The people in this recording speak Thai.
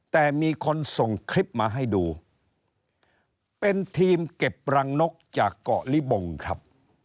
แต่มีคนส่งคลิปมาให้ดูเป็นทีมเก็บรังนกจากเกาะลิบงครับ